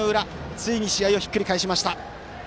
ついに試合をひっくり返しました。